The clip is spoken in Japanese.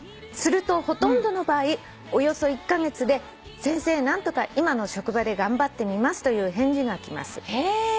「するとほとんどの場合およそ１カ月で『先生何とか今の職場で頑張ってみます』という返事が来ます」へ。